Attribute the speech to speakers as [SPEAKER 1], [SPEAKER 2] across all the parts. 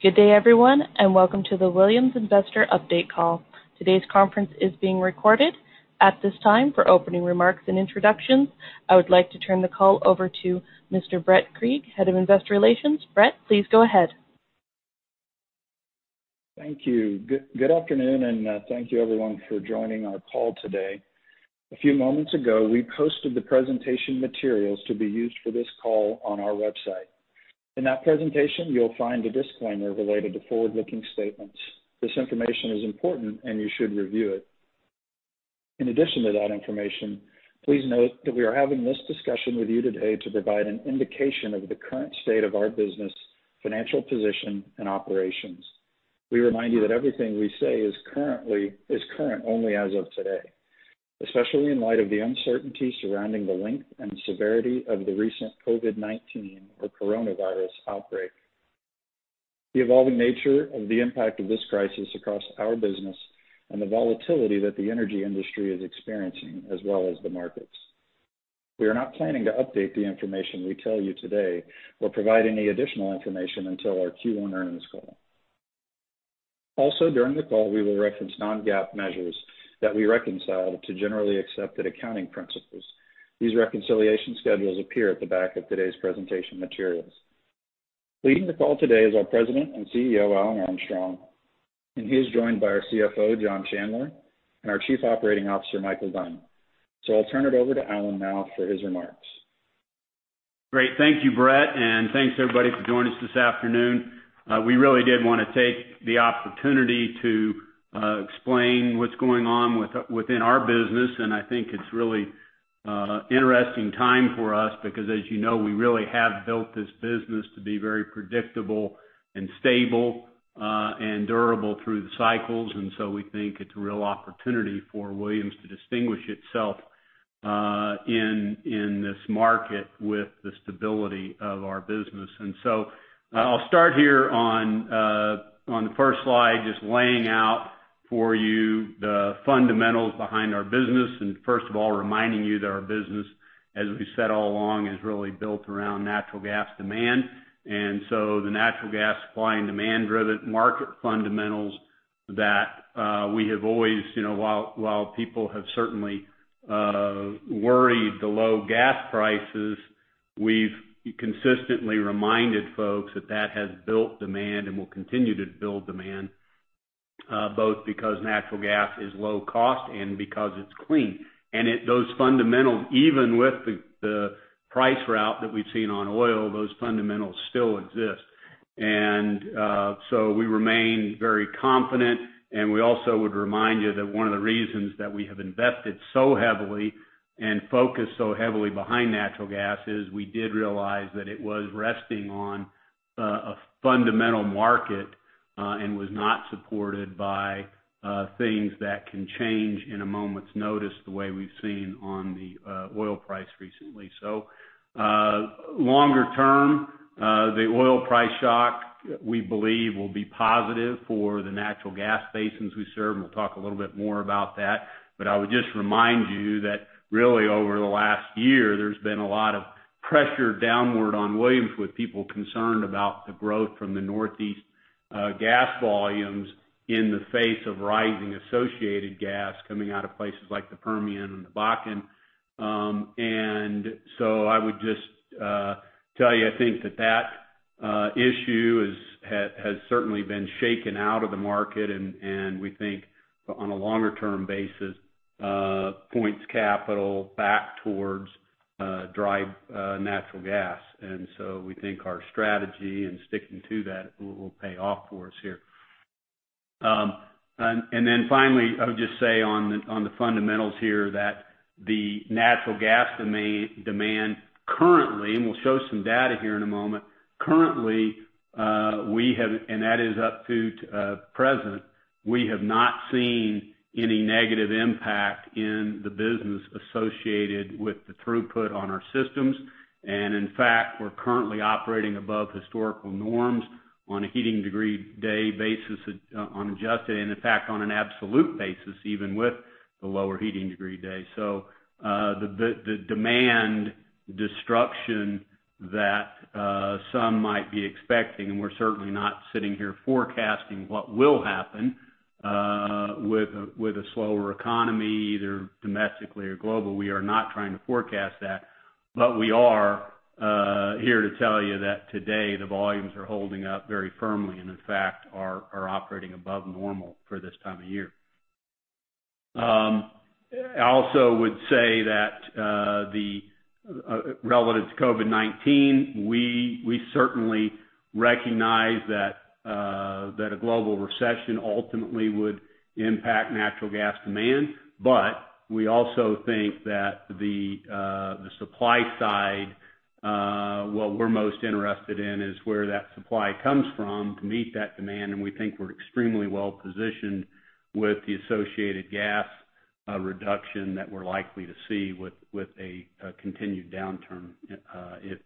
[SPEAKER 1] Good day, everyone, and welcome to the Williams investor update call. Today's conference is being recorded. At this time, for opening remarks and introductions, I would like to turn the call over to Mr. Brett Krieg, Head of Investor Relations. Brett, please go ahead.
[SPEAKER 2] Thank you. Good afternoon, and thank you everyone for joining our call today. A few moments ago, we posted the presentation materials to be used for this call on our website. In that presentation, you'll find a disclaimer related to forward-looking statements. This information is important, and you should review it. In addition to that information, please note that we are having this discussion with you today to provide an indication of the current state of our business, financial position and operations. We remind you that everything we say is current only as of today, especially in light of the uncertainty surrounding the length and severity of the recent COVID-19 or coronavirus outbreak, the evolving nature of the impact of this crisis across our business, and the volatility that the energy industry is experiencing, as well as the markets. We are not planning to update the information we tell you today or provide any additional information until our Q1 earnings call. During the call, we will reference non-GAAP measures that we reconcile to generally accepted accounting principles. These reconciliation schedules appear at the back of today's presentation materials. Leading the call today is our President and CEO, Alan Armstrong, and he is joined by our CFO, John Chandler, and our Chief Operating Officer, Micheal Dunn. I'll turn it over to Alan now for his remarks.
[SPEAKER 3] Great. Thank you, Brett. Thanks everybody for joining us this afternoon. We really did want to take the opportunity to explain what's going on within our business. I think it's really an interesting time for us because, as you know, we really have built this business to be very predictable and stable, and durable through the cycles. We think it's a real opportunity for Williams to distinguish itself in this market with the stability of our business. I'll start here on the first slide, just laying out for you the fundamentals behind our business. First of all, reminding you that our business, as we've said all along, is really built around natural gas demand. The natural gas supply and demand-driven market fundamentals that we have always, while people have certainly worried the low gas prices, we've consistently reminded folks that that has built demand and will continue to build demand, both because natural gas is low cost and because it's clean. Those fundamentals, even with the price rout that we've seen on oil, those fundamentals still exist. We remain very confident, and we also would remind you that one of the reasons that we have invested so heavily and focused so heavily behind natural gas is we did realize that it was resting on a fundamental market, and was not supported by things that can change in a moment's notice, the way we've seen on the oil price recently. Longer term, the oil price shock, we believe will be positive for the natural gas basins we serve, and we'll talk a little bit more about that. I would just remind you that really over the last year, there's been a lot of pressure downward on Williams with people concerned about the growth from the Northeast gas volumes in the face of rising associated gas coming out of places like the Permian and the Bakken. I would just tell you, I think that that issue has certainly been shaken out of the market, and we think on a longer term basis, points capital back towards dry natural gas. We think our strategy and sticking to that will pay off for us here. Finally, I would just say on the fundamentals here, that the natural gas demand currently, and we'll show some data here in a moment. Currently, and that is up to present, we have not seen any negative impact in the business associated with the throughput on our systems. In fact, we're currently operating above historical norms on a heating degree day basis, and in fact, on an absolute basis, even with the lower heating degree day. The demand destruction that some might be expecting, and we're certainly not sitting here forecasting what will happen, with a slower economy, either domestically or global. We are not trying to forecast that. We are here to tell you that today the volumes are holding up very firmly and in fact, are operating above normal for this time of year. I also would say that relative to COVID-19, we certainly recognize that a global recession ultimately would impact natural gas demand. We also think that the supply side, what we're most interested in is where that supply comes from to meet that demand, and we think we're extremely well-positioned with the associated gas reduction that we're likely to see with a continued downturn,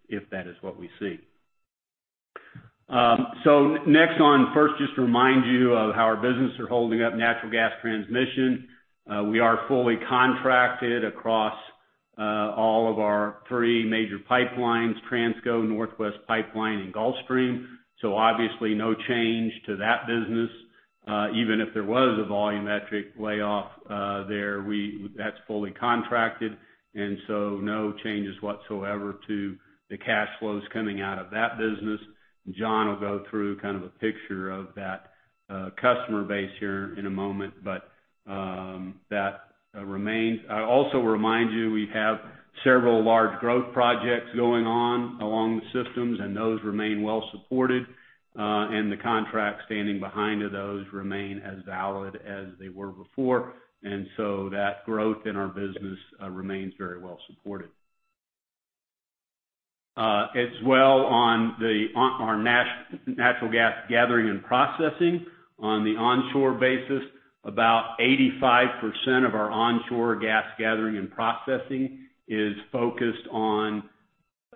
[SPEAKER 3] if that is what we see. Next on, first, just to remind you of how our business are holding up natural gas transmission. We are fully contracted across all of our three major pipelines, Transco, Northwest Pipeline, and Gulfstream. Obviously no change to that business. Even if there was a volumetric layoff there, that's fully contracted, and so no changes whatsoever to the cash flows coming out of that business. John will go through kind of a picture of that customer base here in a moment, but that remains. I also remind you, we have several large growth projects going on along the systems, and those remain well-supported. The contracts standing behind those remain as valid as they were before. That growth in our business remains very well supported. As well on our natural gas gathering and processing on the onshore basis, about 85% of our onshore gas gathering and processing is focused on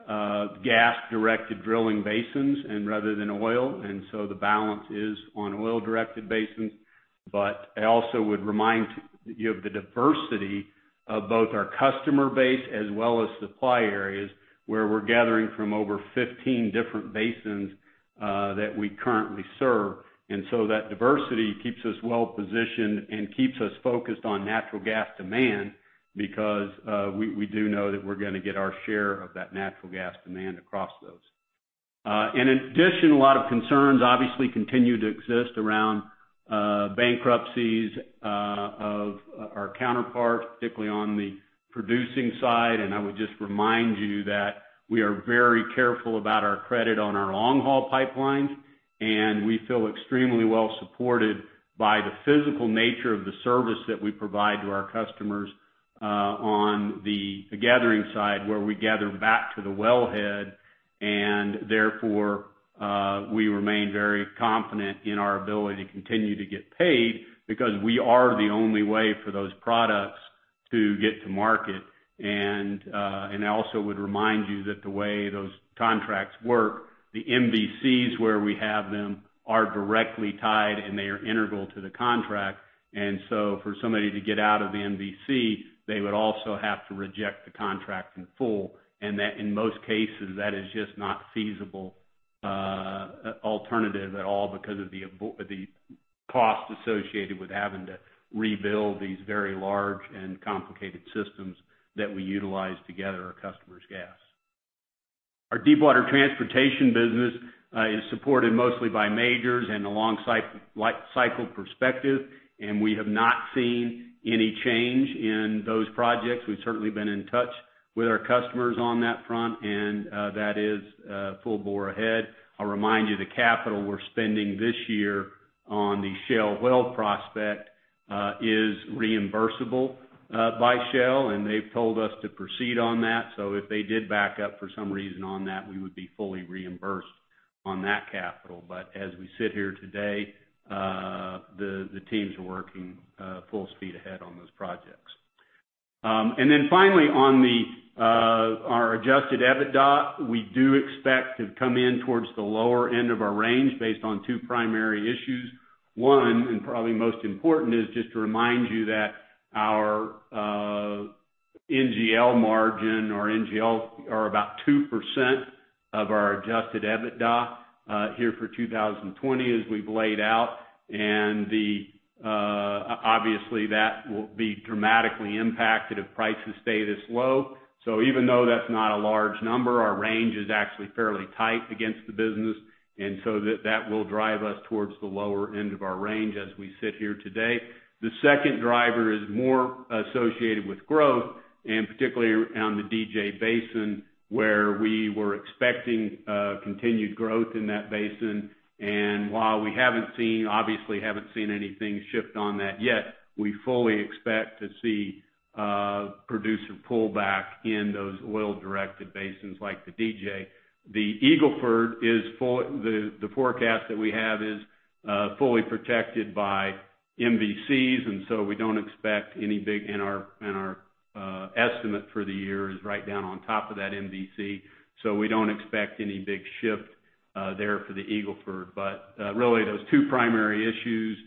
[SPEAKER 3] gas-directed drilling basins rather than oil. The balance is on oil-directed basins. I also would remind you of the diversity of both our customer base as well as supply areas, where we're gathering from over 15 different basins that we currently serve. That diversity keeps us well-positioned and keeps us focused on natural gas demand because we do know that we're going to get our share of that natural gas demand across those. In addition, a lot of concerns obviously continue to exist around bankruptcies of our counterparts, particularly on the producing side. I would just remind you that we are very careful about our credit on our long-haul pipelines, and we feel extremely well-supported by the physical nature of the service that we provide to our customers on the gathering side, where we gather back to the wellhead, and therefore, we remain very confident in our ability to continue to get paid because we are the only way for those products to get to market. I also would remind you that the way those contracts work, the MVCs where we have them are directly tied, and they are integral to the contract. For somebody to get out of the MVC, they would also have to reject the contract in full, and in most cases, that is just not a feasible alternative at all because of the cost associated with having to rebuild these very large and complicated systems that we utilize to gather our customer's gas. Our deepwater transportation business is supported mostly by majors and a long life cycle perspective, and we have not seen any change in those projects. We've certainly been in touch with our customers on that front, and that is full bore ahead. I'll remind you, the capital we're spending this year on the Shell well prospect is reimbursable by Shell, and they've told us to proceed on that. If they did back up for some reason on that, we would be fully reimbursed on that capital. As we sit here today, the teams are working full speed ahead on those projects. Finally on our adjusted EBITDA, we do expect to come in towards the lower end of our range based on two primary issues. One, and probably most important, is just to remind you that our NGL margin or NGL are about 2% of our adjusted EBITDA here for 2020 as we've laid out. Obviously, that will be dramatically impacted if prices stay this low. Even though that's not a large number, our range is actually fairly tight against the business. That will drive us towards the lower end of our range as we sit here today. The second driver is more associated with growth, and particularly on the DJ Basin, where we were expecting continued growth in that basin. While we obviously haven't seen anything shift on that yet, we fully expect to see producer pullback in those oil-directed basins like the DJ. The Eagle Ford, the forecast that we have is fully protected by MVCs, and our estimate for the year is right down on top of that MVC. We don't expect any big shift there for the Eagle Ford. Really those two primary issues,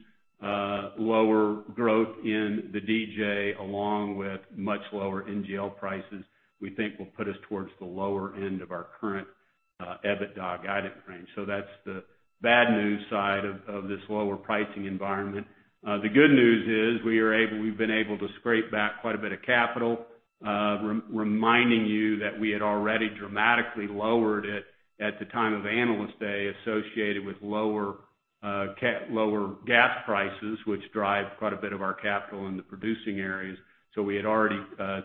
[SPEAKER 3] lower growth in the DJ along with much lower NGL prices, we think will put us towards the lower end of our current EBITDA guidance range. That's the bad news side of this lower pricing environment. The good news is we've been able to scrape back quite a bit of capital, reminding you that we had already dramatically lowered it at the time of Analyst Day associated with lower gas prices, which drive quite a bit of our capital in the producing areas. We had already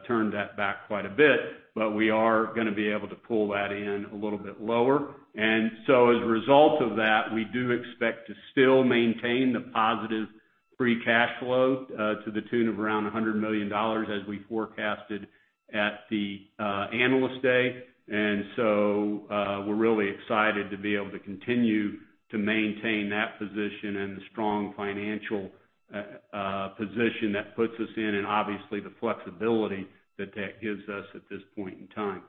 [SPEAKER 3] turned that back quite a bit, but we are going to be able to pull that in a little bit lower. As a result of that, we do expect to still maintain the positive free cash flow, to the tune of around $100 million as we forecasted at the Analyst Day. We're really excited to be able to continue to maintain that position and the strong financial position that puts us in, and obviously the flexibility that that gives us at this point in time.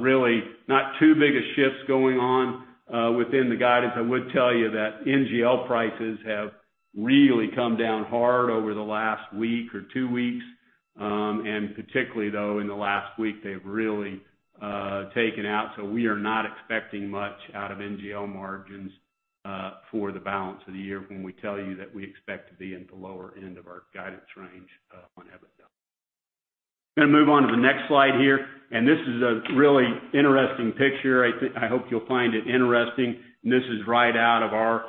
[SPEAKER 3] Really not too big a shift going on within the guidance. I would tell you that NGL prices have really come down hard over the last week or two weeks. Particularly though, in the last week, they've really taken out. We are not expecting much out of NGL margins for the balance of the year when we tell you that we expect to be in the lower end of our guidance range on EBITDA. Going to move on to the next slide here, and this is a really interesting picture. I hope you'll find it interesting, and this is right out of our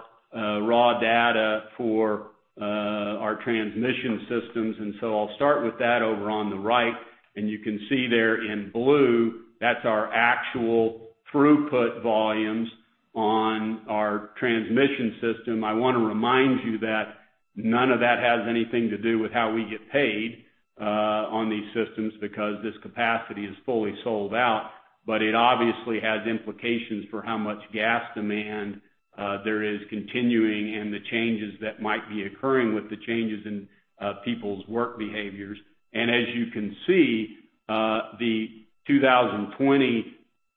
[SPEAKER 3] raw data for our transmission systems. I'll start with that over on the right. You can see there in blue, that's our actual throughput volumes on our transmission system. I want to remind you that none of that has anything to do with how we get paid on these systems, because this capacity is fully sold out. It obviously has implications for how much gas demand there is continuing and the changes that might be occurring with the changes in people's work behaviors. As you can see, the 2020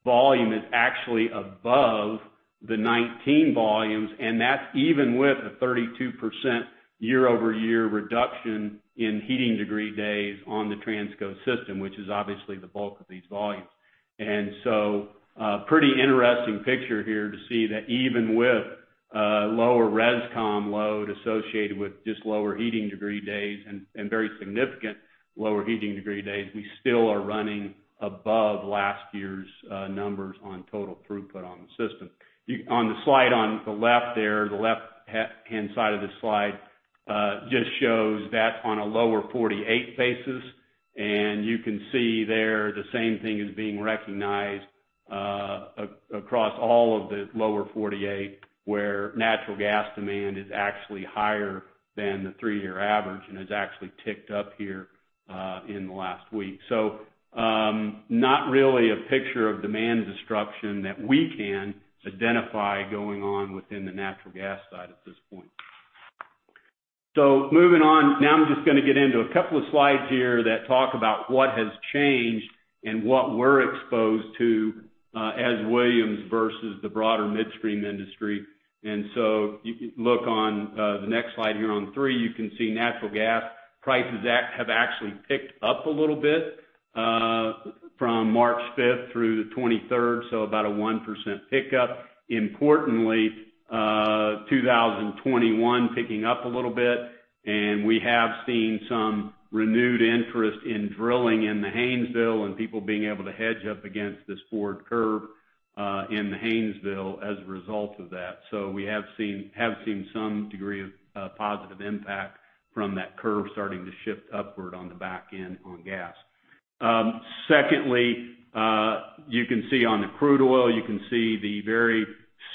[SPEAKER 3] volume is actually above the 2019 volumes, and that's even with a 32% year-over-year reduction in heating degree days on the Transco system, which is obviously the bulk of these volumes. A pretty interesting picture here to see that even with lower res com load associated with just lower heating degree days and very significant lower heating degree days, we still are running above last year's numbers on total throughput on the system. On the slide on the left there, the left-hand side of the slide, just shows that on a Lower 48 basis. You can see there the same thing is being recognized across all of the Lower 48, where natural gas demand is actually higher than the three-year average and has actually ticked up here in the last week. Not really a picture of demand destruction that we can identify going on within the natural gas side at this point. Moving on, now I'm just going to get into a couple of slides here that talk about what has changed and what we're exposed to, as Williams versus the broader midstream industry. You can look on the next slide here on three, you can see natural gas prices have actually picked up a little bit from March 5th through the 23rd, so about a 1% pickup. Importantly, 2021 picking up a little bit, we have seen some renewed interest in drilling in the Haynesville and people being able to hedge up against this forward curve, in the Haynesville as a result of that. We have seen some degree of positive impact from that curve starting to shift upward on the back end on gas. Secondly, you can see on the crude oil, you can see the very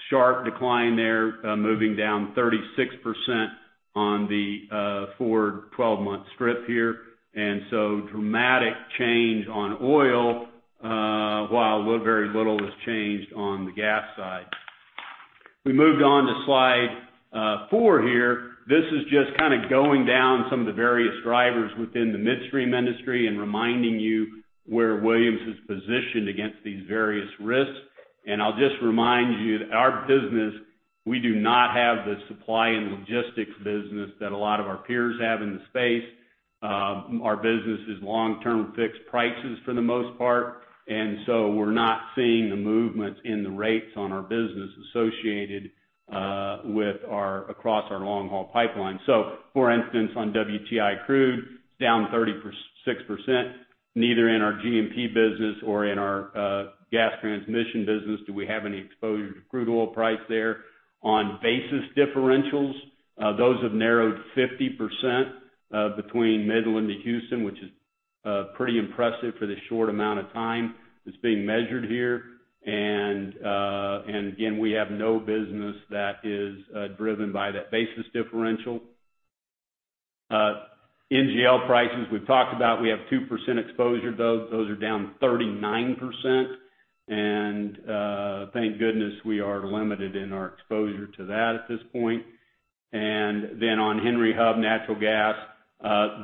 [SPEAKER 3] sharp decline there, moving down 36% on the forward 12-month strip here, dramatic change on oil, while very little has changed on the gas side. We moved on to slide four here. This is just kind of going down some of the various drivers within the midstream industry and reminding you where Williams is positioned against these various risks. I'll just remind you that our business, we do not have the supply and logistics business that a lot of our peers have in the space. Our business is long-term fixed prices for the most part, we're not seeing the movements in the rates on our business associated across our long-haul pipeline. For instance, on WTI crude, it's down 36%. Neither in our G&P business or in our gas transmission business do we have any exposure to crude oil price there. On basis differentials, those have narrowed 50%, between Midland and Houston, which is pretty impressive for the short amount of time that's being measured here. Again, we have no business that is driven by that basis differential. NGL prices we've talked about, we have 2% exposure to those. Those are down 39%. Thank goodness we are limited in our exposure to that at this point. Then on Henry Hub natural gas,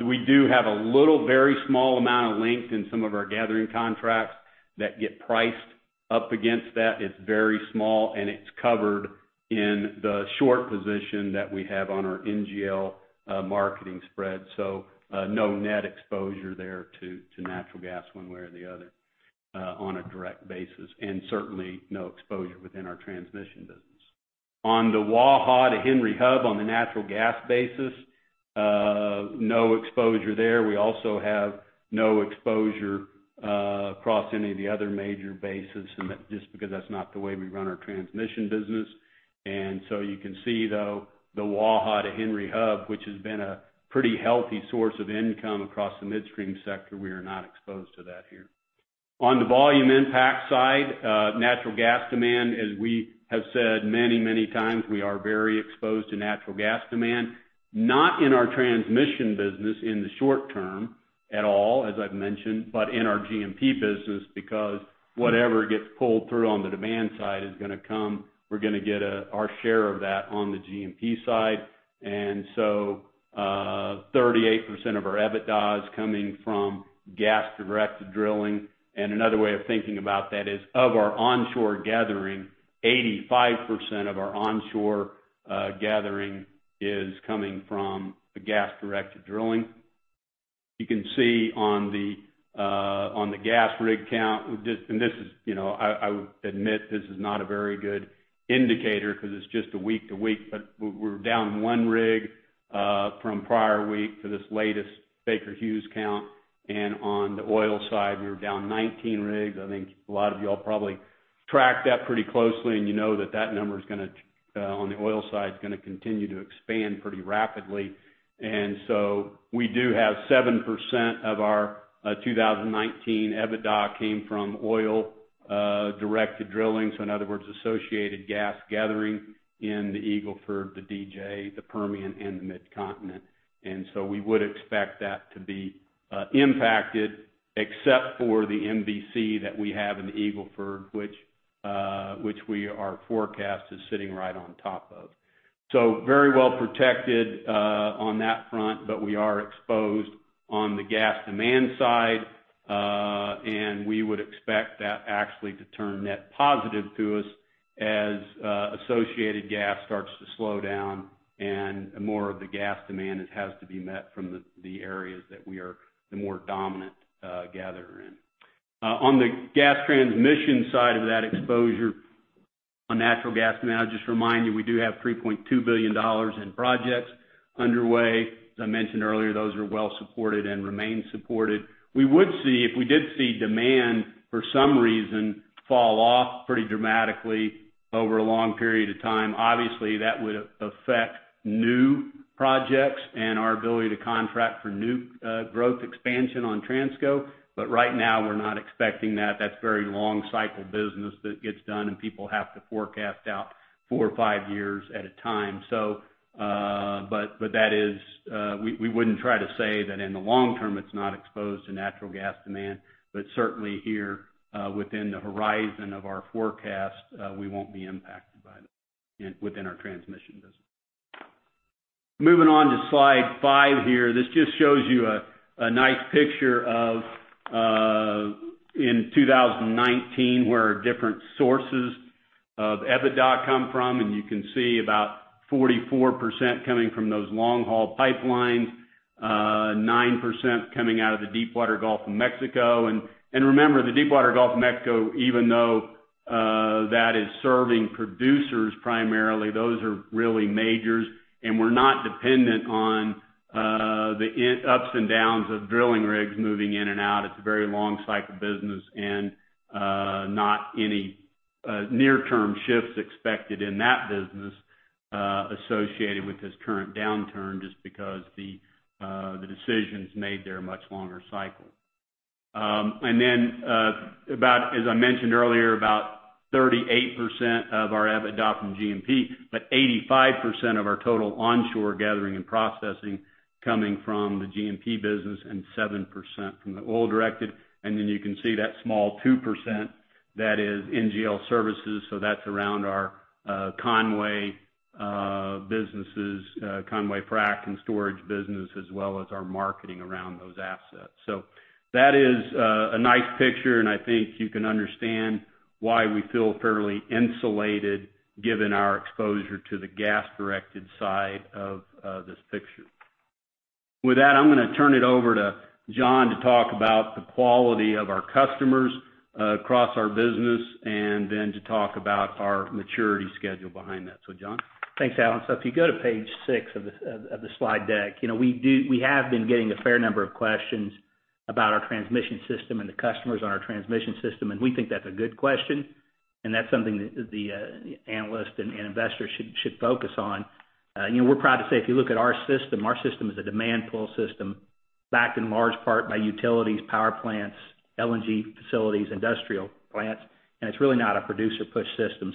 [SPEAKER 3] we do have a little, very small amount of linked in some of our gathering contracts that get priced up against that. It's very small. It's covered in the short position that we have on our NGL marketing spread. No net exposure there to natural gas one way or the other on a direct basis. Certainly no exposure within our transmission business. On the Waha to Henry Hub on the natural gas basis, no exposure there. We also have no exposure across any of the other major basis. Just because that's not the way we run our transmission business. You can see though, the Waha to Henry Hub, which has been a pretty healthy source of income across the midstream sector, we are not exposed to that here. On the volume impact side, natural gas demand, as we have said many, many times, we are very exposed to natural gas demand. Not in our transmission business in the short term at all, as I've mentioned, but in our G&P business because whatever gets pulled through on the demand side is going to come. We're going to get our share of that on the G&P side. 38% of our EBITDA is coming from gas-directed drilling. Another way of thinking about that is, of our onshore gathering, 85% of our onshore gathering is coming from gas-directed drilling. You can see on the gas rig count, I would admit this is not a very good indicator because it's just a week to week, but we're down one rig from prior week for this latest Baker Hughes count. On the oil side, we were down 19 rigs. I think a lot of you all probably track that pretty closely, you know that that number on the oil side, is going to continue to expand pretty rapidly. We do have 7% of our 2019 EBITDA came from oil-directed drilling, so in other words, associated gas gathering in the Eagle Ford, the DJ, the Permian, and the Mid-Continent. We would expect that to be impacted except for the MVC that we have in the Eagle Ford, which our forecast is sitting right on top of. Very well protected on that front, but we are exposed on the gas demand side. We would expect that actually to turn net positive to us as associated gas starts to slow down and more of the gas demand has to be met from the areas that we are the more dominant gatherer in. On the gas transmission side of that exposure on natural gas demand, just to remind you, we do have $3.2 billion in projects underway. As I mentioned earlier, those are well supported and remain supported. We would see, if we did see demand for some reason fall off pretty dramatically over a long period of time, obviously that would affect new projects and our ability to contract for new growth expansion on Transco. Right now, we're not expecting that. That's very long cycle business that gets done, and people have to forecast out four or five years at a time. We wouldn't try to say that in the long term, it's not exposed to natural gas demand, but certainly here, within the horizon of our forecast, we won't be impacted by that within our transmission business. Moving on to slide five here, this just shows you a nice picture of in 2019, where different sources of EBITDA come from, and you can see about 44% coming from those long-haul pipelines, 9% coming out of the Deepwater Gulf of Mexico. Remember, the Deepwater Gulf of Mexico, even though that is serving producers primarily, those are really majors, and we're not dependent on the ups and downs of drilling rigs moving in and out. It's a very long cycle business and not any near-term shifts expected in that business associated with this current downturn, just because the decisions made there are much longer cycle. As I mentioned earlier, about 38% of our EBITDA from G&P, but 85% of our total onshore gathering and processing coming from the G&P business and 7% from the oil-directed. You can see that small 2%, that is NGL services, so that's around our Conway businesses, Conway frack and storage business, as well as our marketing around those assets. That is a nice picture, and I think you can understand why we feel fairly insulated given our exposure to the gas-directed side of this picture. With that, I'm going to turn it over to John to talk about the quality of our customers across our business, and then to talk about our maturity schedule behind that. So John?
[SPEAKER 4] Thanks, Alan. If you go to page six of the slide deck, we have been getting a fair number of questions about our transmission system and the customers on our transmission system, and we think that's a good question and that's something the analysts and investors should focus on. We're proud to say, if you look at our system, our system is a demand pull system backed in large part by utilities, power plants, LNG facilities, industrial plants, and it's really not a producer-push system.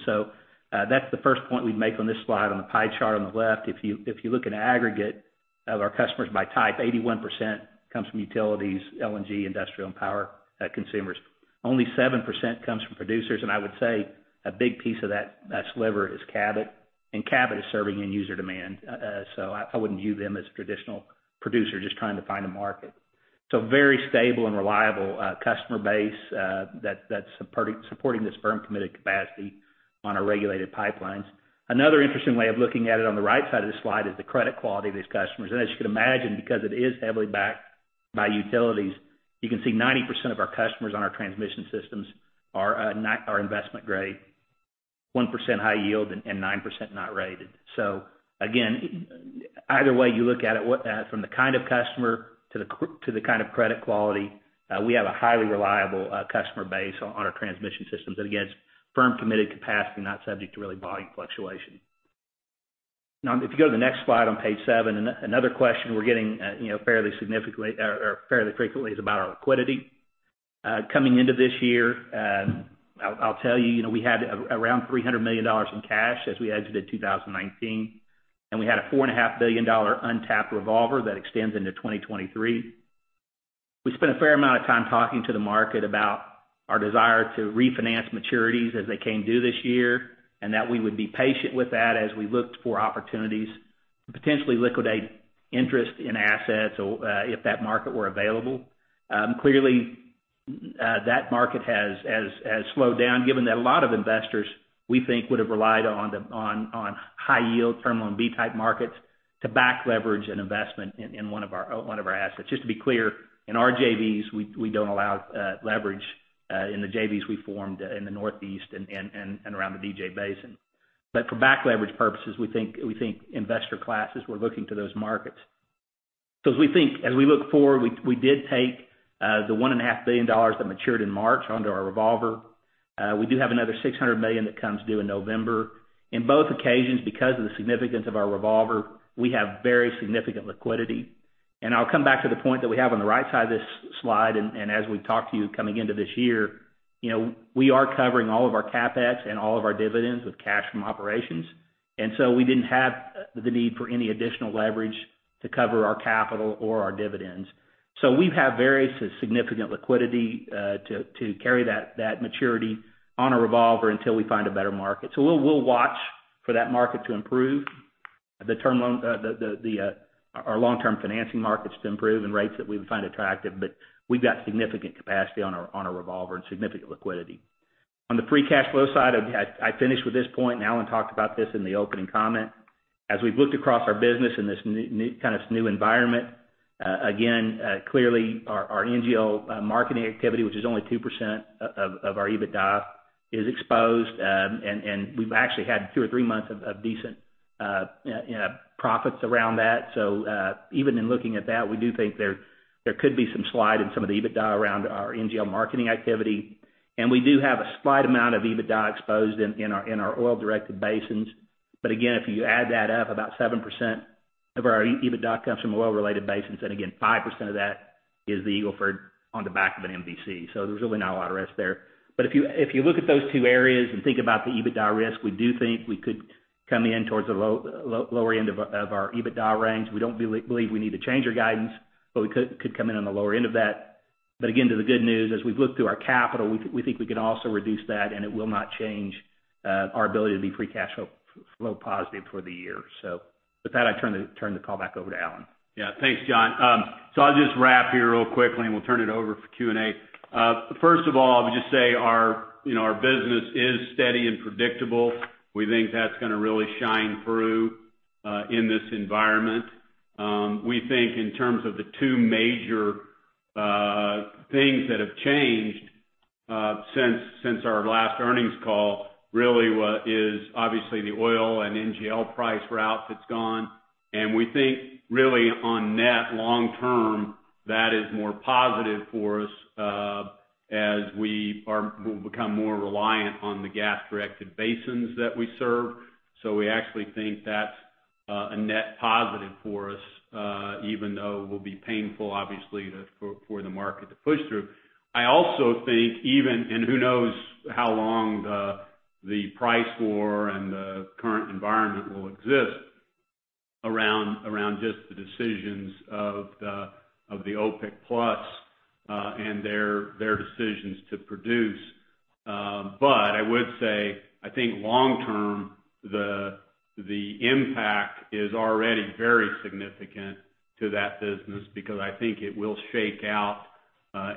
[SPEAKER 4] That's the first point we'd make on this slide on the pie chart on the left. If you look at aggregate of our customers by type, 81% comes from utilities, LNG, industrial, and power consumers. Only 7% comes from producers, and I would say a big piece of that sliver is Cabot, and Cabot is serving end user demand. I wouldn't view them as a traditional producer just trying to find a market. Very stable and reliable customer base that's supporting this firm committed capacity on our regulated pipelines. Another interesting way of looking at it on the right side of this slide is the credit quality of these customers. As you can imagine, because it is heavily backed by utilities, you can see 90% of our customers on our transmission systems are investment grade, 1% high yield, and 9% not rated. Again, either way you look at it, from the kind of customer to the kind of credit quality, we have a highly reliable customer base on our transmission systems. Again, it's firm committed capacity, not subject to really volume fluctuation. If you go to the next slide on page seven, another question we're getting fairly frequently is about our liquidity. Coming into this year, I'll tell you, we had around $300 million in cash as we exited 2019, and we had a $4.5 billion untapped revolver that extends into 2023. We spent a fair amount of time talking to the market about our desire to refinance maturities as they came due this year, and that we would be patient with that as we looked for opportunities to potentially liquidate interest in assets, if that market were available. Clearly, that market has slowed down, given that a lot of investors, we think, would've relied on high yield Term Loan B type markets to back leverage an investment in one of our assets. Just to be clear, in our JVs, we don't allow leverage in the JVs we formed in the Northeast and around the DJ basin. For back leverage purposes, we think investor classes were looking to those markets. As we look forward, we did take the $1.5 billion that matured in March under our revolver. We do have another $600 million that comes due in November. In both occasions, because of the significance of our revolver, we have very significant liquidity. I'll come back to the point that we have on the right side of this slide, as we've talked to you coming into this year, we are covering all of our CapEx and all of our dividends with cash from operations. We didn't have the need for any additional leverage to cover our capital or our dividends. We have various significant liquidity to carry that maturity on a revolver until we find a better market. We'll watch for that market to improve, our long-term financing markets to improve and rates that we find attractive, but we've got significant capacity on our revolver and significant liquidity. On the free cash flow side, I finish with this point, and Alan talked about this in the opening comment. As we've looked across our business in this kind of new environment, again, clearly our NGL marketing activity, which is only 2% of our EBITDA, is exposed. We've actually had two or three months of decent profits around that. Even in looking at that, we do think there could be some slide in some of the EBITDA around our NGL marketing activity. We do have a slight amount of EBITDA exposed in our oil-directed basins. Again, if you add that up, about 7% of our EBITDA comes from oil-related basins, and again, 5% of that is the Eagle Ford on the back of an MVC. There's really not a lot of risk there. If you look at those two areas and think about the EBITDA risk, we do think we could come in towards the lower end of our EBITDA range. We don't believe we need to change our guidance, but we could come in on the lower end of that. Again, to the good news, as we've looked through our capital, we think we can also reduce that, and it will not change our ability to be free cash flow positive for the year. With that, I turn the call back over to Alan.
[SPEAKER 3] Thanks, John. I'll just wrap here real quickly, and we'll turn it over for Q&A. First of all, I would just say our business is steady and predictable. We think that's going to really shine through, in this environment. We think in terms of the two major things that have changed since our last earnings call, really what is obviously the oil and NGL price rout that's gone. We think really on net long term, that is more positive for us, as we will become more reliant on the gas-directed basins that we serve. We actually think that's a net positive for us, even though it will be painful obviously for the market to push through. I also think and who knows how long the price war and the current environment will exist around just the decisions of the OPEC+, and their decisions to produce. I would say, I think long term, the impact is already very significant to that business because I think it will shake out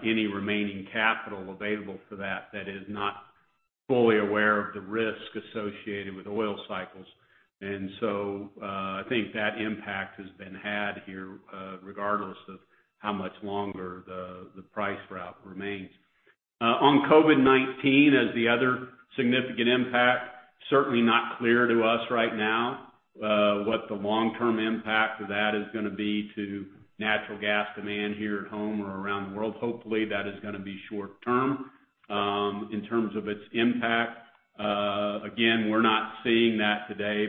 [SPEAKER 3] any remaining capital available for that is not fully aware of the risk associated with oil cycles. I think that impact has been had here, regardless of how much longer the price route remains. On COVID-19 as the other significant impact, certainly not clear to us right now, what the long-term impact of that is going to be to natural gas demand here at home or around the world. Hopefully, that is going to be short term, in terms of its impact. We're not seeing that today.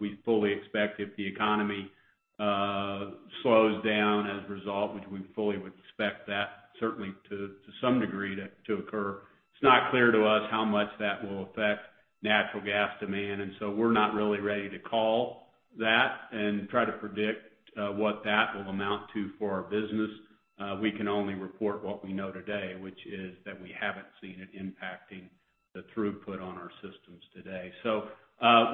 [SPEAKER 3] We fully expect if the economy slows down as a result, which we fully would expect that certainly to some degree to occur. It's not clear to us how much that will affect natural gas demand. We're not really ready to call that and try to predict what that will amount to for our business. We can only report what we know today, which is that we haven't seen it impacting the throughput on our systems today.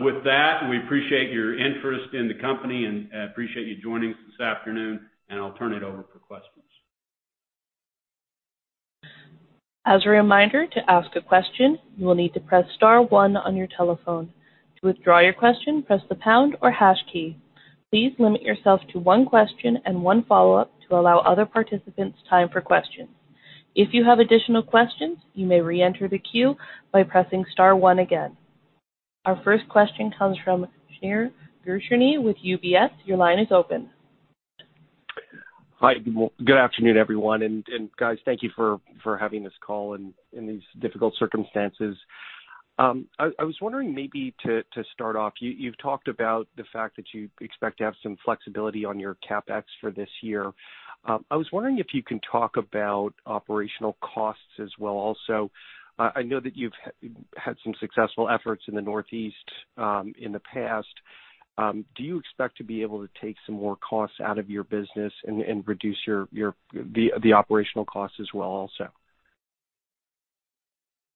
[SPEAKER 3] With that, we appreciate your interest in the company. We appreciate you joining us this afternoon, and I'll turn it over for questions.
[SPEAKER 1] As a reminder, to ask a question, you will need to press star one on your telephone. To withdraw your question, press the pound or hash key. Please limit yourself to one question and one follow-up to allow other participants time for questions. If you have additional questions, you may reenter the queue by pressing star one again. Our first question comes from Shneur Gershuni with UBS. Your line is open.
[SPEAKER 5] Hi. Good afternoon, everyone. Guys, thank you for having this call in these difficult circumstances. I was wondering maybe to start off, you've talked about the fact that you expect to have some flexibility on your CapEx for this year. I was wondering if you can talk about operational costs as well also. I know that you've had some successful efforts in the Northeast, in the past. Do you expect to be able to take some more costs out of your business and reduce the operational costs as well also?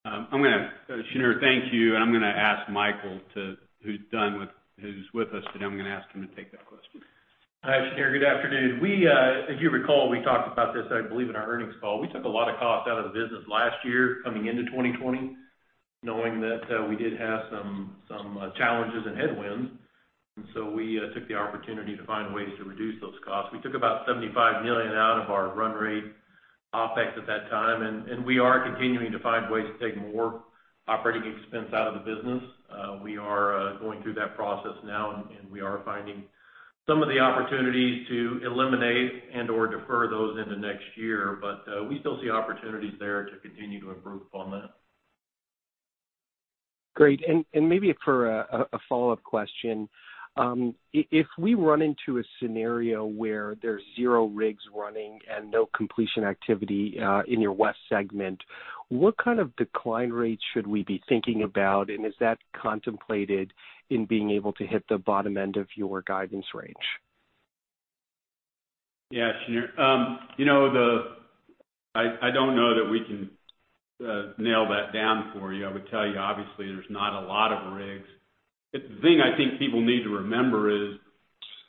[SPEAKER 3] Shneur, thank you. I'm going to ask Micheal, who's with us today, I'm going to ask him to take that question.
[SPEAKER 6] Hi, Shneur. Good afternoon. If you recall, we talked about this, I believe, in our earnings call. We took a lot of cost out of the business last year coming into 2020, knowing that we did have some challenges and headwinds. We took the opportunity to find ways to reduce those costs. We took about $75 million out of our run rate OpEx at that time, and we are continuing to find ways to take more operating expense out of the business. We are going through that process now, and we are finding some of the opportunities to eliminate and/or defer those into next year. We still see opportunities there to continue to improve on that.
[SPEAKER 5] Great. Maybe for a follow-up question, if we run into a scenario where there's zero rigs running and no completion activity in your west segment, what kind of decline rates should we be thinking about? Is that contemplated in being able to hit the bottom end of your guidance range?
[SPEAKER 3] Yeah, Shneur. I don't know that we can nail that down for you. I would tell you, obviously, there's not a lot of rigs. The thing I think people need to remember is,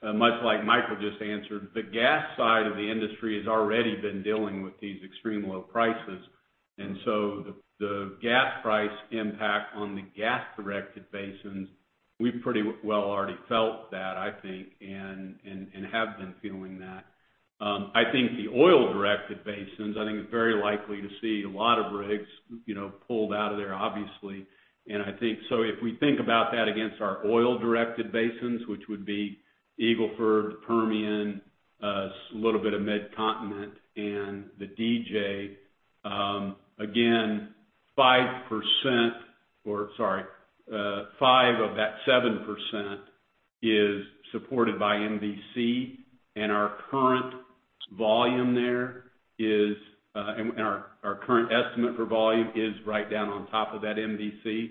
[SPEAKER 3] much like Micheal just answered, the gas side of the industry has already been dealing with these extreme low prices. The gas price impact on the gas-directed basins, we've pretty well already felt that, I think, and have been feeling that. I think the oil-directed basins, I think it's very likely to see a lot of rigs pulled out of there, obviously. I think if we think about that against our oil-directed basins, which would be Eagle Ford, the Permian, a little bit of Mid-Continent and the DJ, again, 5% or, sorry, five of that 7% is supported by MVC, and our current estimate for volume is right down on top of that MVC.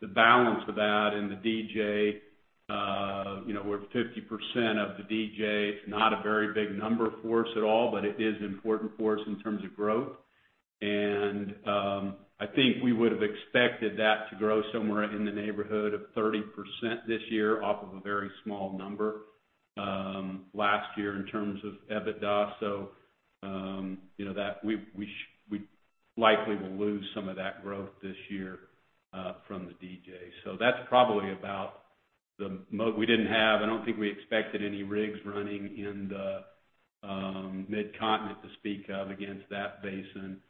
[SPEAKER 3] The balance of that in the DJ, we're 50% of the DJ. It's not a very big number for us at all, but it is important for us in terms of growth. I think we would have expected that to grow somewhere in the neighborhood of 30% this year off of a very small number last year in terms of EBITDA. We likely will lose some of that growth this year from the DJ. I don't think we expected any rigs running in the Mid-Continent to speak of against that basin.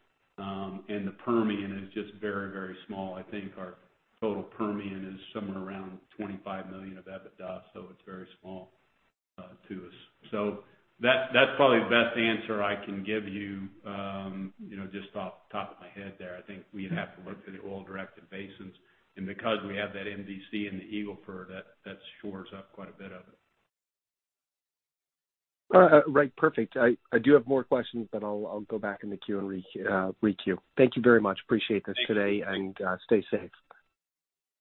[SPEAKER 3] The Permian is just very, very small. I think our total Permian is somewhere around $25 million of EBITDA, so it's very small to us. That's probably the best answer I can give you just off the top of my head there. I think we'd have to look through the oil-directed basins. Because we have that MVC in the Eagle Ford, that shores up quite a bit of it.
[SPEAKER 5] Right. Perfect. I do have more questions, but I'll go back in the queue and requeue. Thank you very much. Appreciate this today.
[SPEAKER 3] Thank you.
[SPEAKER 5] Stay safe.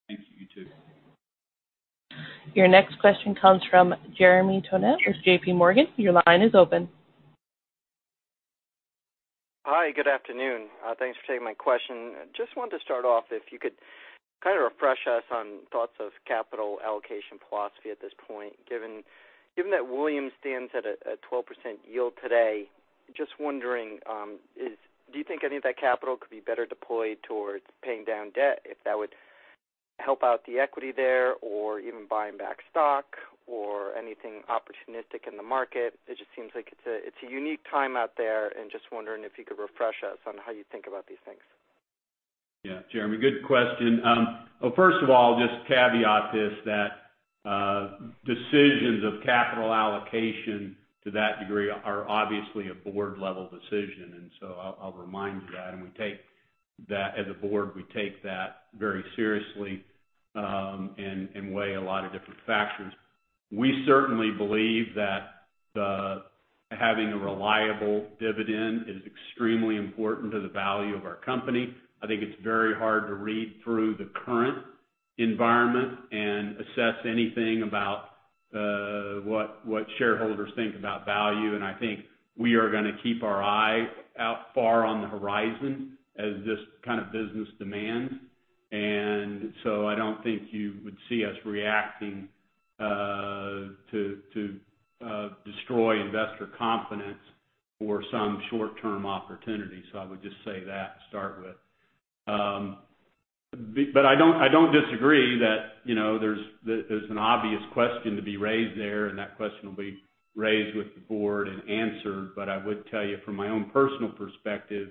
[SPEAKER 3] Thank you. You too.
[SPEAKER 1] Your next question comes from Jeremy Tonet with JPMorgan. Your line is open.
[SPEAKER 7] Hi, good afternoon. Thanks for taking my question. Just wanted to start off, if you could kind of refresh us on thoughts of capital allocation philosophy at this point. Given that Williams stands at a 12% yield today, just wondering, do you think any of that capital could be better deployed towards paying down debt, if that would help out the equity there, or even buying back stock or anything opportunistic in the market? It just seems like it's a unique time out there, and just wondering if you could refresh us on how you think about these things.
[SPEAKER 3] Yeah. Jeremy, good question. Well, first of all, just caveat this, that decisions of capital allocation to that degree are obviously a board-level decision. I'll remind you that. As a board, we take that very seriously and weigh a lot of different factors. We certainly believe that having a reliable dividend is extremely important to the value of our company. I think it's very hard to read through the current environment and assess anything about what shareholders think about value. I think we are going to keep our eye out far on the horizon as this kind of business demands. I don't think you would see us reacting to destroy investor confidence for some short-term opportunity. I would just say that to start with. I don't disagree that there's an obvious question to be raised there, and that question will be raised with the board and answered. I would tell you from my own personal perspective,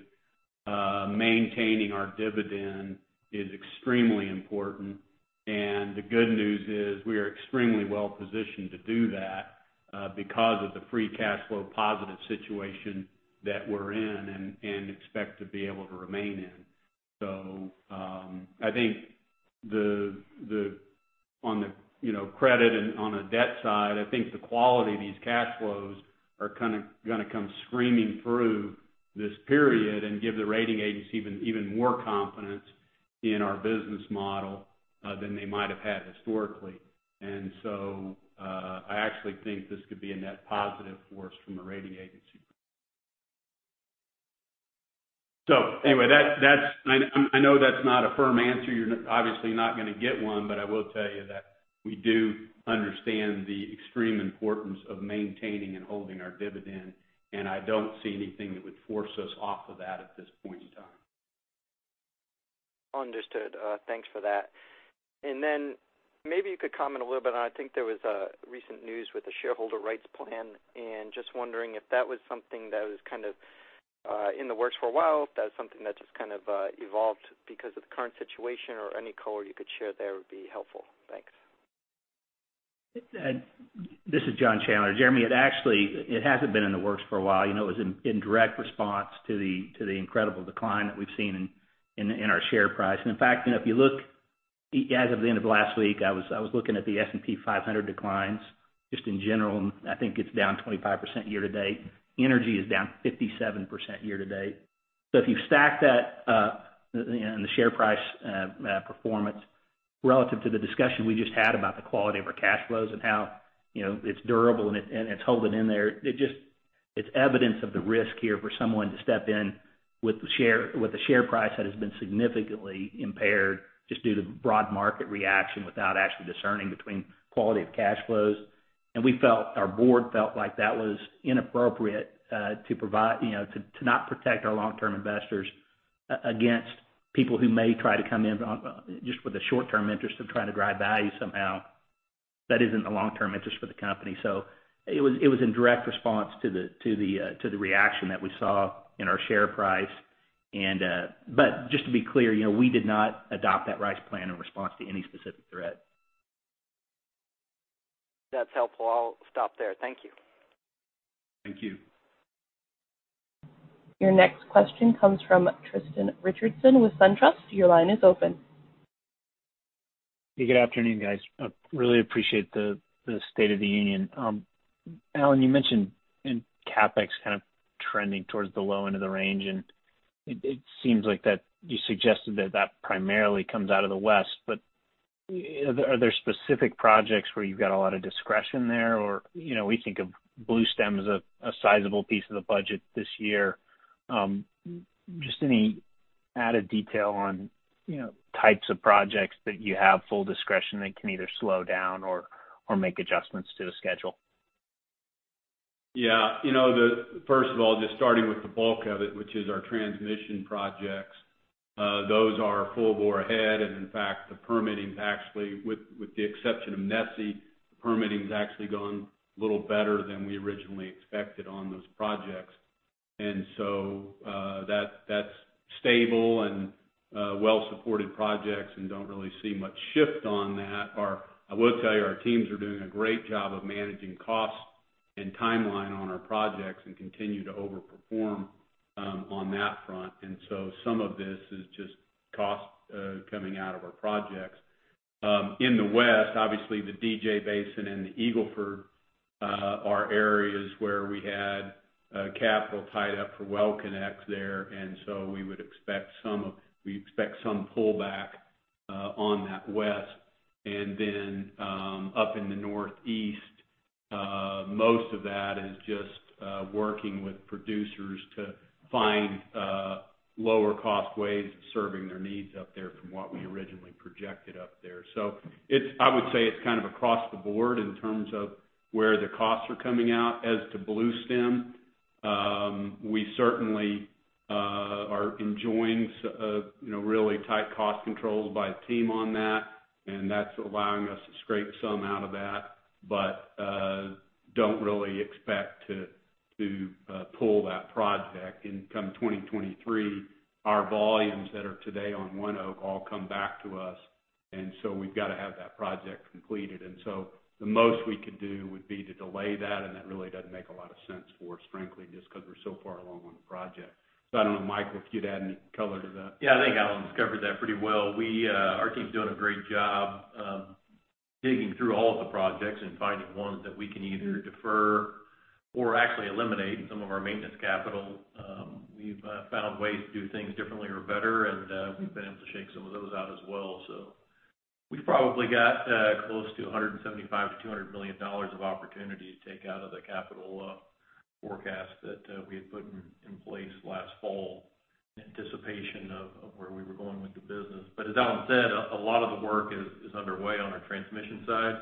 [SPEAKER 3] maintaining our dividend is extremely important. The good news is we are extremely well-positioned to do that because of the free cash flow positive situation that we're in and expect to be able to remain in. I think on the credit and on a debt side, I think the quality of these cash flows are going to come screaming through this period and give the rating agency even more confidence in our business model than they might have had historically. I actually think this could be a net positive for us from a rating agency. Anyway, I know that's not a firm answer. You're obviously not going to get one, but I will tell you that we do understand the extreme importance of maintaining and holding our dividend, and I don't see anything that would force us off of that at this point in time.
[SPEAKER 7] Understood. Thanks for that. Maybe you could comment a little bit on, I think there was a recent news with the shareholder rights plan, and just wondering if that was something that was kind of in the works for a while, if that was something that just kind of evolved because of the current situation, or any color you could share there would be helpful. Thanks.
[SPEAKER 4] This is John Chandler. Jeremy, it actually hasn't been in the works for a while. It was in direct response to the incredible decline that we've seen in our share price. In fact, if you look as of the end of last week, I was looking at the S&P 500 declines just in general, and I think it's down 25% year to date. Energy is down 57% year to date. If you stack that and the share price performance relative to the discussion we just had about the quality of our cash flows and how it's durable and it's holding in there, it's evidence of the risk here for someone to step in with a share price that has been significantly impaired just due to broad market reaction without actually discerning between quality of cash flows. Our board felt like that was inappropriate to not protect our long-term investors against people who may try to come in just with the short-term interest of trying to drive value somehow. That isn't a long-term interest for the company. Just to be clear, we did not adopt that rights plan in response to any specific threat.
[SPEAKER 7] That's helpful. I'll stop there. Thank you.
[SPEAKER 3] Thank you.
[SPEAKER 1] Your next question comes from Tristan Richardson with SunTrust. Your line is open.
[SPEAKER 8] Good afternoon, guys. Really appreciate the state of the union. Alan, you mentioned CapEx kind of trending towards the low end of the range, and it seems like that you suggested that that primarily comes out of the West, but are there specific projects where you've got a lot of discretion there? We think of Bluestem as a sizable piece of the budget this year. Just any added detail on types of projects that you have full discretion that can either slow down or make adjustments to the schedule.
[SPEAKER 3] First of all, just starting with the bulk of it, which is our transmission projects, those are full bore ahead. In fact, the permitting actually, with the exception of NESE, the permitting's actually gone a little better than we originally expected on those projects. That's stable and well-supported projects and don't really see much shift on that. I will tell you, our teams are doing a great job of managing costs and timeline on our projects and continue to overperform on that front. Some of this is just cost coming out of our projects. In the West, obviously, the DJ Basin and the Eagle Ford are areas where we had capital tied up for well connects there, and so we expect some pullback on that West. Then up in the Northeast, most of that is just working with producers to find lower cost ways of serving their needs up there from what we originally projected up there. I would say it's kind of across the board in terms of where the costs are coming out. To Bluestem, we certainly are enjoying really tight cost controls by the team on that, and that's allowing us to scrape some out of that, but don't really expect to pull that project. Come 2023, our volumes that are today on ONEOK all come back to us, and so we've got to have that project completed. The most we could do would be to delay that, and that really doesn't make a lot of sense for us, frankly, just because we're so far along on the project. I don't know, Mike, if you'd add any color to that.
[SPEAKER 6] Yeah, I think Alan's covered that pretty well. Our team's doing a great job digging through all of the projects and finding ones that we can either defer or actually eliminate some of our maintenance capital. We've found ways to do things differently or better, and we've been able to shake some of those out as well. We've probably got close to $175 million-$200 million of opportunity to take out of the capital forecast that we had put in place last fall in anticipation of where we were going with the business. As Alan said, a lot of the work is underway on our transmission side.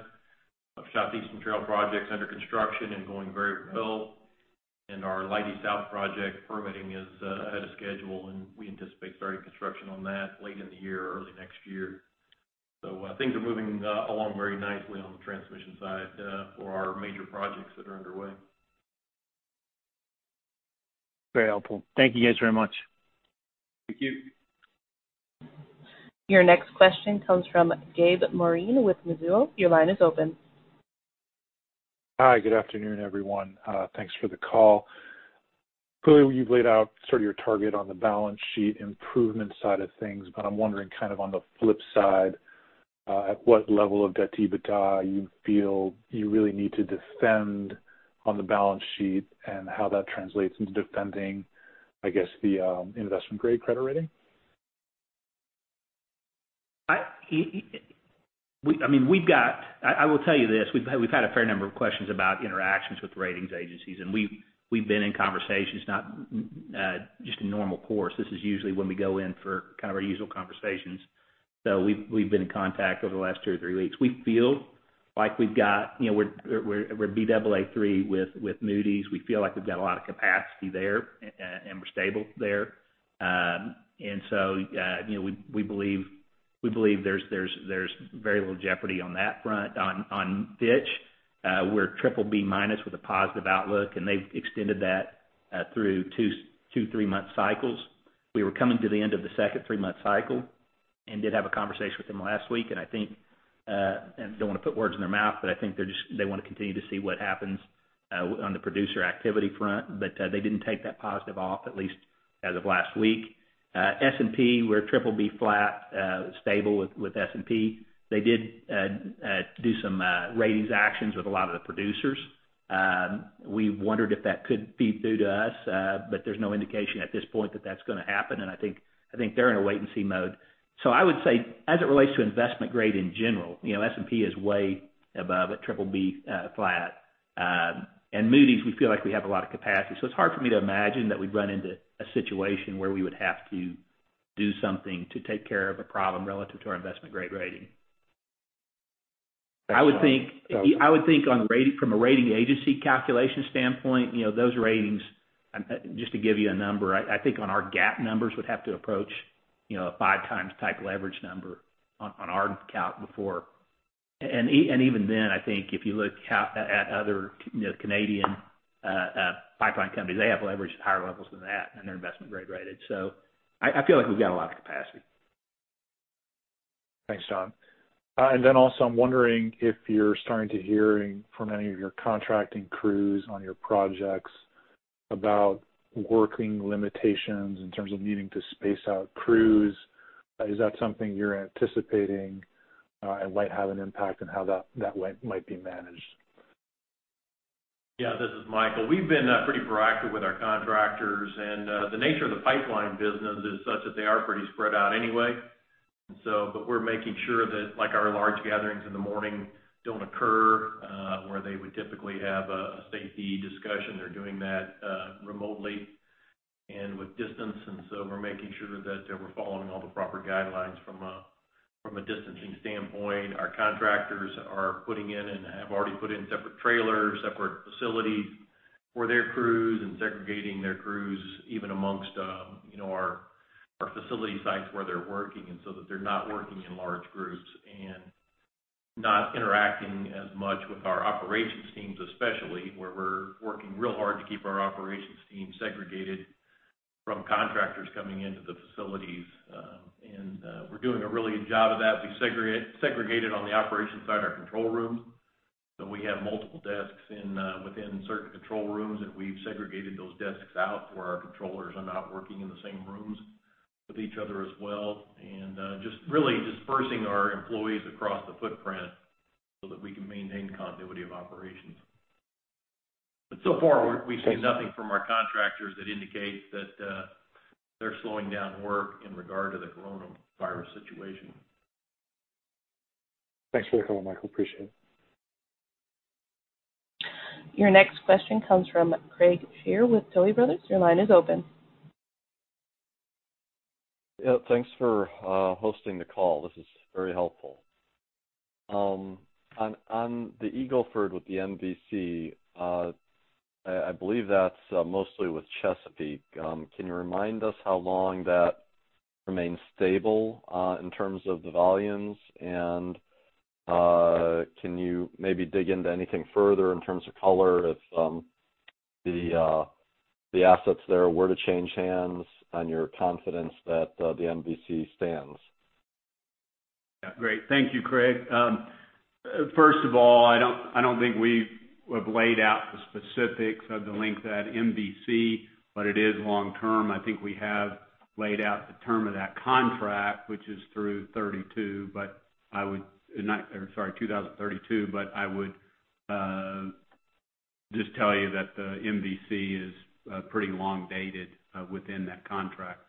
[SPEAKER 6] Southeastern Trail project's under construction and going very well. Our Leidy South project permitting is ahead of schedule, and we anticipate starting construction on that late in the year or early next year.
[SPEAKER 9] Things are moving along very nicely on the transmission side for our major projects that are underway.
[SPEAKER 8] Very helpful. Thank you guys very much.
[SPEAKER 3] Thank you.
[SPEAKER 1] Your next question comes from Gabe Moreen with Mizuho. Your line is open.
[SPEAKER 10] Hi. Good afternoon, everyone. Thanks for the call. Clearly, you've laid out sort of your target on the balance sheet improvement side of things, but I'm wondering kind of on the flip side, at what level of debt-EBITDA you feel you really need to defend on the balance sheet and how that translates into defending, I guess, the investment grade credit rating.
[SPEAKER 4] I will tell you this. We've had a fair number of questions about interactions with ratings agencies, and we've been in conversations, not just in normal course. This is usually when we go in for kind of our usual conversations. We've been in contact over the last two or three weeks. We feel like we're Baa3 with Moody's. We feel like we've got a lot of capacity there, and we're stable there. We believe there's very little jeopardy on that front. On Fitch, we're BBB- with a positive outlook, and they've extended that through two three-month cycles. We were coming to the end of the second three-month cycle and did have a conversation with them last week, and I don't want to put words in their mouth, but I think they want to continue to see what happens on the producer activity front. They didn't take that positive off, at least as of last week. S&P, we're BBB flat, stable with S&P. They did do some ratings actions with a lot of the producers. We wondered if that could be due to us, but there's no indication at this point that that's going to happen, and I think they're in a wait-and-see mode. I would say, as it relates to investment grade in general, S&P is way above at BBB flat. Moody's, we feel like we have a lot of capacity. It's hard for me to imagine that we'd run into a situation where we would have to do something to take care of a problem relative to our investment-grade rating.
[SPEAKER 10] Thanks, John.
[SPEAKER 4] I would think from a rating agency calculation standpoint, those ratings, just to give you a number, I think on our GAAP numbers would have to approach a 5x type leverage number on our count before. Even then, I think if you look at other Canadian pipeline companies, they have leverage at higher levels than that, and they're investment grade rated. I feel like we've got a lot of capacity.
[SPEAKER 10] Thanks, John. Also, I'm wondering if you're starting to hearing from any of your contracting crews on your projects about working limitations in terms of needing to space out crews. Is that something you're anticipating and might have an impact on how that might be managed?
[SPEAKER 6] Yeah. This is Micheal. We've been pretty proactive with our contractors. The nature of the pipeline business is such that they are pretty spread out anyway. We're making sure that our large gatherings in the morning don't occur, where they would typically have a safety discussion. They're doing that remotely and with distance. We're making sure that we're following all the proper guidelines from a distancing standpoint. Our contractors are putting in and have already put in separate trailers, separate facilities for their crews, and segregating their crews, even amongst our facility sites where they're working, and so that they're not working in large groups and not interacting as much with our operations teams, especially, where we're working real hard to keep our operations team segregated from contractors coming into the facilities. We're doing a really good job of that. We've segregated on the operations side our control room. We have multiple desks within certain control rooms, and we've segregated those desks out where our controllers are not working in the same rooms with each other as well. Just really dispersing our employees across the footprint so that we can maintain continuity of operations. So far, we've seen nothing from our contractors that indicate that they're slowing down work in regard to the coronavirus situation.
[SPEAKER 10] Thanks for the call, Micheal. Appreciate it.
[SPEAKER 1] Your next question comes from Craig Shere with Tuohy Brothers. Your line is open.
[SPEAKER 11] Yeah. Thanks for hosting the call. This is very helpful. On the Eagle Ford with the MVC, I believe that's mostly with Chesapeake. Can you remind us how long that remains stable, in terms of the volumes? Can you maybe dig into anything further in terms of color if the assets there were to change hands on your confidence that the MVC stands?
[SPEAKER 3] Yeah. Great. Thank you, Craig. First of all, I don't think we have laid out the specifics of the length of that MVC, but it is long term. I think we have laid out the term of that contract, which is through 2032, sorry, 2032, but I would just tell you that the MVC is pretty long dated within that contract.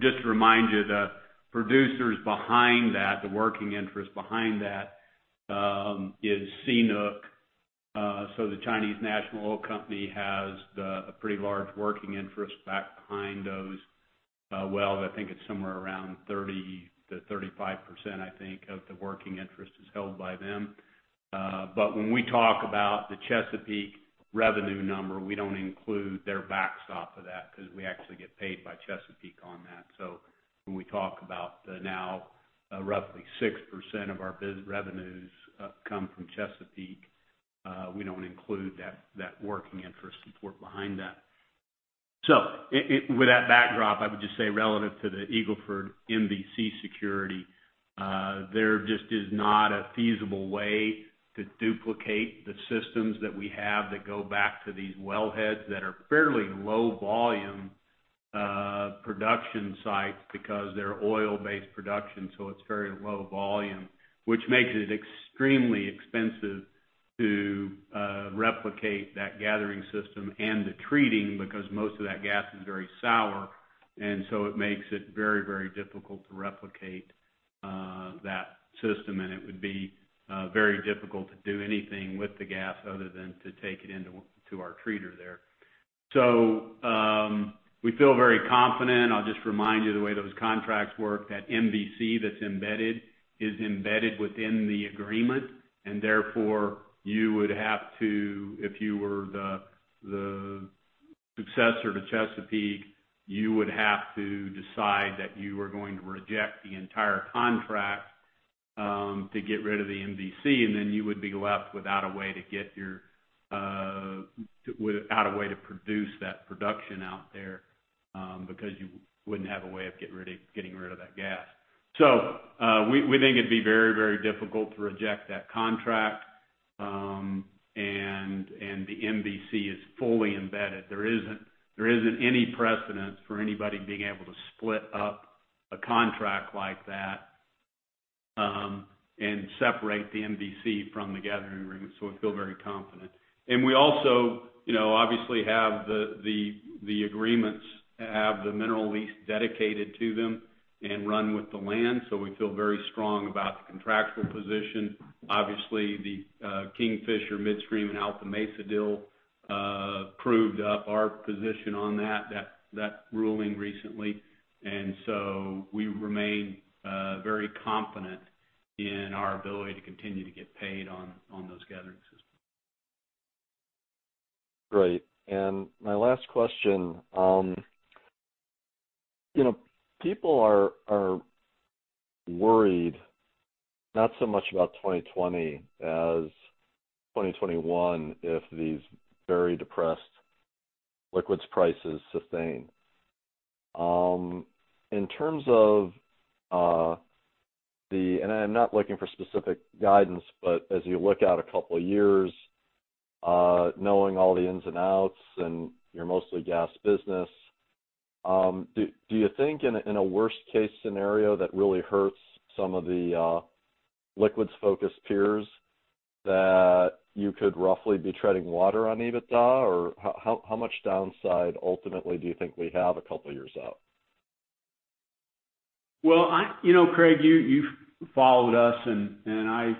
[SPEAKER 3] Just to remind you, the producers behind that, the working interest behind that, is CNOOC. The Chinese National Oil Company has a pretty large working interest back behind those wells. I think it's somewhere around 30%-35%, I think, of the working interest is held by them. When we talk about the Chesapeake revenue number, we don't include their backstop of that because we actually get paid by Chesapeake on that. When we talk about the now roughly 6% of our revenues come from Chesapeake, we don't include that working interest support behind that. With that backdrop, I would just say relative to the Eagle Ford MVC security, there just is not a feasible way to duplicate the systems that we have that go back to these wellheads that are fairly low volume production sites because they're oil-based production, so it's very low volume. Which makes it extremely expensive to replicate that gathering system and the treating, because most of that gas is very sour, and so it makes it very difficult to replicate that system, and it would be very difficult to do anything with the gas other than to take it into our treater there. We feel very confident. I'll just remind you the way those contracts work, that MVC that's embedded is embedded within the agreement, and therefore, you would have to, if you were the successor to Chesapeake, you would have to decide that you were going to reject the entire contract to get rid of the MVC, and then you would be left without a way to produce that production out there, because you wouldn't have a way of getting rid of that gas. We think it'd be very difficult to reject that contract. The MVC is fully embedded. There isn't any precedent for anybody being able to split up a contract like that, and separate the MVC from the gathering agreement, so we feel very confident. We also obviously have the agreements, have the mineral lease dedicated to them and run with the land, so we feel very strong about the contractual position. Obviously, the Kingfisher Midstream and Alta Mesa deal proved up our position on that ruling recently. We remain very confident in our ability to continue to get paid on those gathering systems.
[SPEAKER 11] Great. My last question. People are worried not so much about 2020 as 2021 if these very depressed liquids prices sustain. I'm not looking for specific guidance, but as you look out a couple of years, knowing all the ins and outs and your mostly gas business, do you think in a worst-case scenario that really hurts some of the liquids-focused peers that you could roughly be treading water on EBITDA? Or how much downside ultimately do you think we have a couple of years out?
[SPEAKER 3] Well, Craig, you've followed us, and I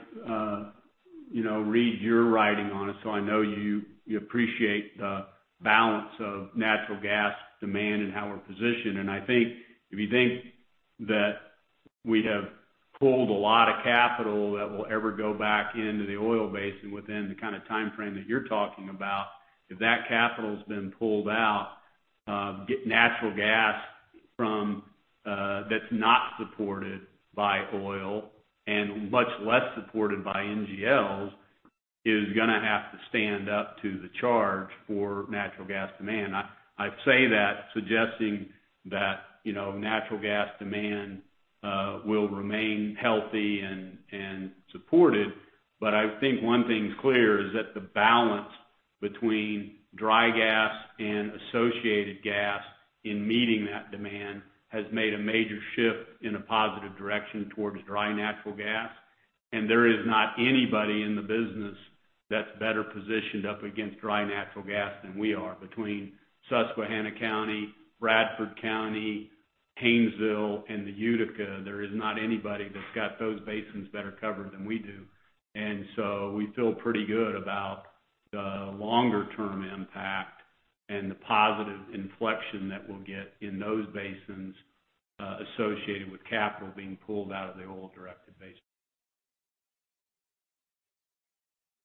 [SPEAKER 3] read your writing on it, so I know you appreciate the balance of natural gas demand and how we're positioned. I think if you think that we have pulled a lot of capital that will ever go back into the oil basin within the kind of timeframe that you're talking about, if that capital's been pulled out, natural gas that's not supported by oil and much less supported by NGLs, is going to have to stand up to the charge for natural gas demand. I say that suggesting that natural gas demand will remain healthy and supported. I think one thing's clear is that the balance between dry gas and associated gas in meeting that demand has made a major shift in a positive direction towards dry natural gas. There is not anybody in the business that's better positioned up against dry natural gas than we are. Between Susquehanna County, Bradford County, Haynesville, and the Utica, there is not anybody that's got those basins better covered than we do. We feel pretty good about the longer-term impact and the positive inflection that we'll get in those basins, associated with capital being pulled out of the oil-directed basin.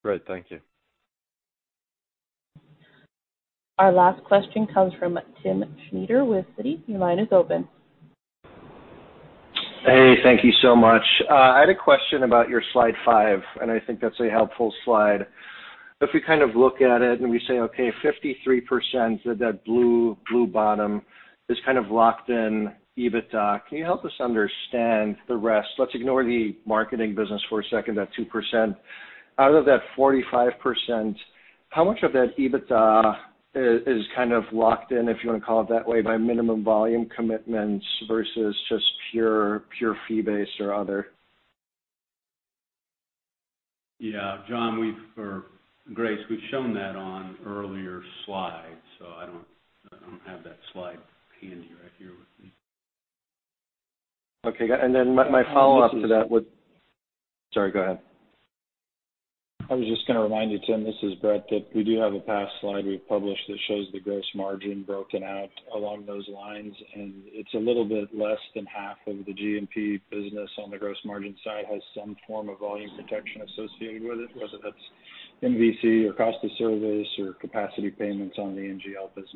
[SPEAKER 11] Great. Thank you.
[SPEAKER 1] Our last question comes from Timm Schneider with Citi. Your line is open.
[SPEAKER 12] Hey, thank you so much. I had a question about your slide five. I think that's a helpful slide. If we look at it and we say, okay, 53%, that blue bottom is kind of locked in EBITDA. Can you help us understand the rest? Let's ignore the marketing business for a second, that 2%. Out of that 45%, how much of that EBITDA is kind of locked in, if you want to call it that way, by minimum volume commitments versus just pure fee-based or other?
[SPEAKER 3] Yeah, John, or Grace, we've shown that on earlier slides, so I don't have that slide handy right here with me.
[SPEAKER 12] Okay.
[SPEAKER 2] Timm,
[SPEAKER 12] Sorry, go ahead.
[SPEAKER 2] I was just going to remind you, Timm, this is Brett, that we do have a past slide we've published that shows the gross margin broken out along those lines, and it's a little bit less than 1/2 of the G&P business on the gross margin side has some form of volume protection associated with it, whether that's MVC or cost of service or capacity payments on the NGL business.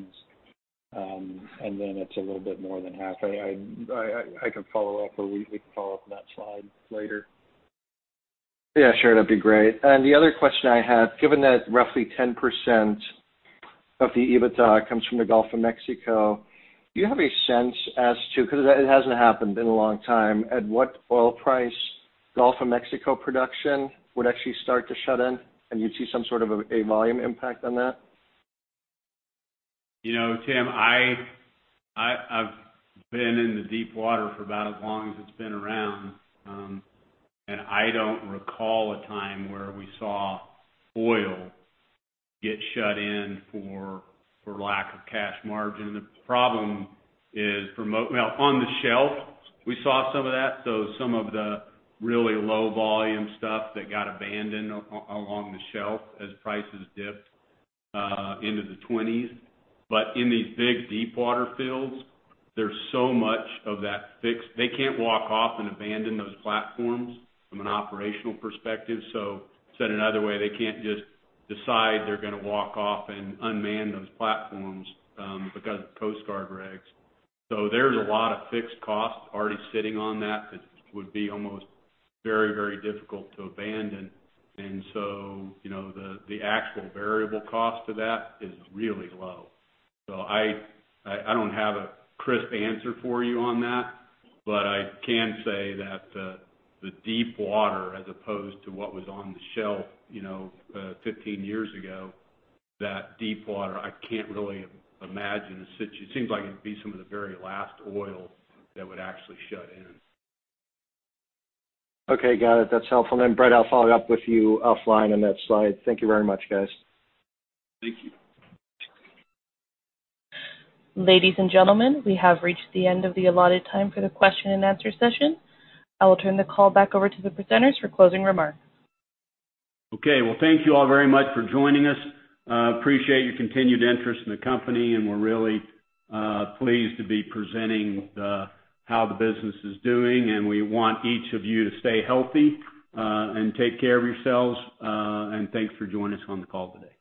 [SPEAKER 2] It's a little bit more than 1/2. I can follow up, or we can follow up on that slide later.
[SPEAKER 12] Yeah, sure. That'd be great. The other question I had, given that roughly 10% of the EBITDA comes from the Gulf of Mexico, do you have a sense as to, because it hasn't happened in a long time, at what oil price Gulf of Mexico production would actually start to shut in and you'd see some sort of a volume impact on that?
[SPEAKER 3] Timm, I've been in the deepwater for about as long as it's been around, and I don't recall a time where we saw oil get shut in for lack of cash margin. Well, on the shelf, we saw some of that. Some of the really low volume stuff that got abandoned along the shelf as prices dipped into the 20s. But in these big deepwater fields, there's so much of that fixed. They can't walk off and abandon those platforms from an operational perspective. Said another way, they can't just decide they're going to walk off and unman those platforms because of Coast Guard regs. There's a lot of fixed cost already sitting on that would be almost very difficult to abandon. The actual variable cost of that is really low. I don't have a crisp answer for you on that. I can say that the deepwater, as opposed to what was on the shelf 15 years ago, that deepwater, I can't really imagine a situation. It seems like it'd be some of the very last oil that would actually shut in.
[SPEAKER 12] Okay, got it. That's helpful. Brett, I'll follow up with you offline on that slide. Thank you very much, guys.
[SPEAKER 3] Thank you.
[SPEAKER 1] Ladies and gentlemen, we have reached the end of the allotted time for the question-and-answer session. I will turn the call back over to the presenters for closing remarks.
[SPEAKER 3] Okay. Well, thank you all very much for joining us. Appreciate your continued interest in the company. We're really pleased to be presenting how the business is doing. We want each of you to stay healthy and take care of yourselves. Thanks for joining us on the call today.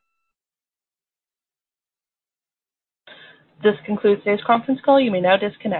[SPEAKER 1] This concludes today's conference call. You may now disconnect.